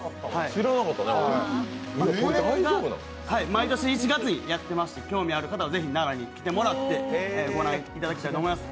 毎年１月にやってまして、興味ある方は奈良に行ってもらって御覧いただきたいと思います。